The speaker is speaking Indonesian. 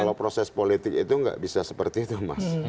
kalau proses politik itu nggak bisa seperti itu mas